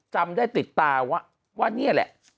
จำได้ติดตาว่านี่แหละ